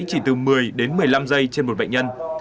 chỉ từ một mươi đến một mươi năm giây trên một bệnh nhân